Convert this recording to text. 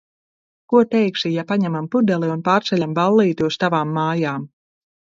Ko teiksi, ja paņemam pudeli un pārceļam ballīti uz tavām mājām?